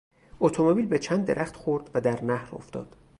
اتومبیل به چند درخت خورد و در نهر افتاد.